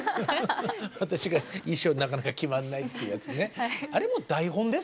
私が衣装なかなか決まらないっていうやつね。